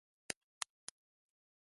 札幌市赤松町